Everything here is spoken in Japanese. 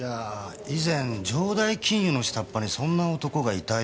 以前城代金融の下っ端にそんな男がいたような。